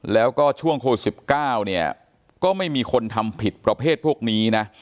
แล้วก็ช่วงโควิด๑๙เนี่ยก็ไม่มีคนทำผิดประเภทพวกนี้นะ